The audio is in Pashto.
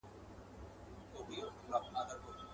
ته چي هري خواته ځې ځه پر هغه ځه.